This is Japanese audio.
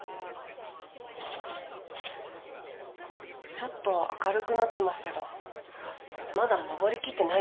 ちょっと明るくなってますけどまだ昇りきってないですよ。